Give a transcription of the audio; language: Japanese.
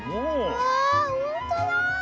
うわほんとだ！